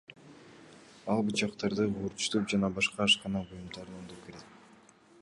Ал бычактарды куурчутуп жана башка ашкана буюмдарын оңдоп берет.